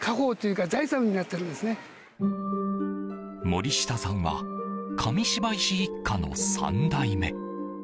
森下さんは紙芝居師一家の３代目。